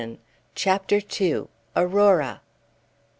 CHAPTER II. AURORA.